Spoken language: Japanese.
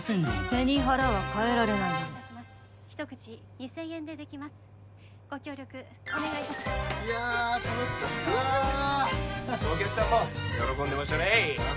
背に腹は代えられないので一口２０００円でできますご協力お願いいや楽しかったお客さんも喜んでましたねだ